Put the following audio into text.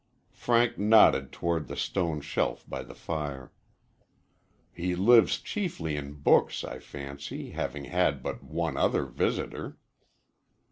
Frank nodded toward the stone shelf by the fire. "He lives chiefly in books, I fancy, having had but one other visitor."